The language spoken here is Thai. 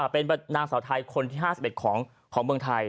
เป็นนางสาวไทยคนที่๕๑ของเมืองไทย